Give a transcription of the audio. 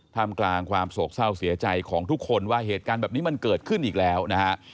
ทำกลางความโศกเศร้าเสียใจของทุกคนว่าเหตุการณ์แบบนี้มันเกิดขึ้นอีกแล้วนะฮะ